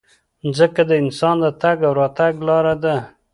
مځکه د انسان د تګ او راتګ لاره ده.